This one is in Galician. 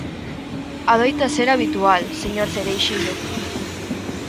Adoita ser habitual, señor Cereixido.